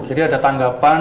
jadi ada tanggapan